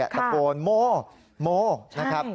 ตะโปรนโม่โม่ใช่